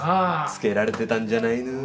つけられてたんじゃないの？